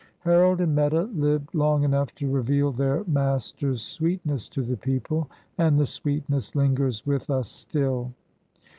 Harold and Meta lived long enough to reveal their Master's sweetness to the people. And the sweetness lingers with us still."